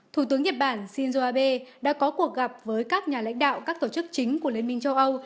thủ tướng nhật bản shinzo abe đã có cuộc gặp với các nhà lãnh đạo các tổ chức chính của liên minh châu âu